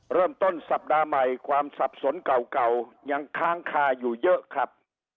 เริ่มต้นสัปดาห์ใหม่ความสับสนเก่ายังค้างคาอยู่เยอะครับ